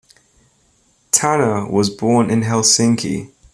Tanner was born in Helsinki.